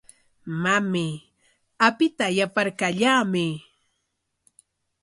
Mamay, apita yaparkallamay.